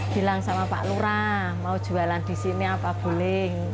bilang sama pak lurah mau jualan di sini apa boleh